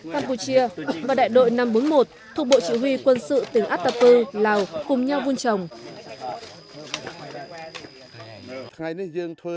campuchia và đại đội năm bốn mươi một thuộc bộ chỉ huy quân sự tỉnh atapu lào cùng nhau vươn chồng